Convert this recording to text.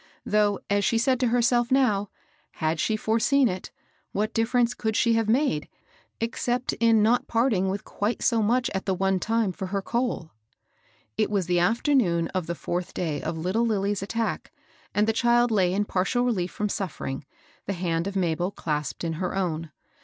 Though, as she said to herself now, had she foreseen it, what difference could she have made, except in not part ing with quite so much at the one time for her coal? It was the afternoon of the fourth day of little Lilly's attack, and the child lay in partial relief from suffering, the hand of Mabel clasped in her own.